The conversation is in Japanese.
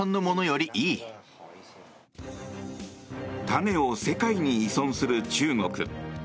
種を世界に依存する中国。